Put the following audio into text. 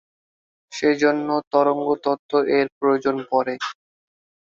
সে জন্য তরঙ্গ তত্ত্ব এর প্রয়োজন পড়ে।